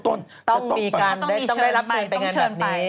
ต้องมีการต้องได้รับการไปงานแบบนี้